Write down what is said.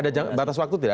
ada jangka waktu tidak